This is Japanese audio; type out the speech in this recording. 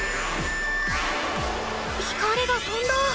光がとんだ！